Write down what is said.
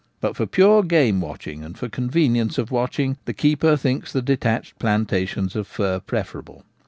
But for pure game preserving, and for convenience of watching, the keeper thinks the detached plantations of fir preferable.